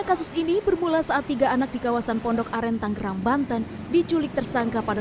kasus ini bermula saat tiga anak di kawasan pondok aren tanggerang banten diculik tersangka pada